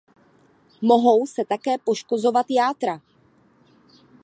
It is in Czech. Mohou se také poškozovat játra.